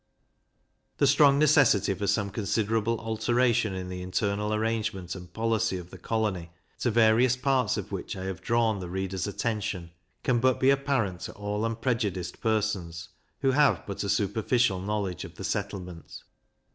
The strong necessity for some considerable alteration in the internal arrangement and policy of the colony, to various parts of which I have drawn the reader's attention, can but be apparent to all unprejudiced persons, who have but a superficial knowledge of the settlement.